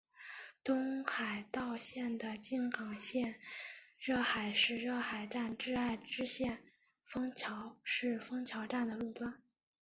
东海道线的静冈县热海市热海站至爱知县丰桥市丰桥站的路段。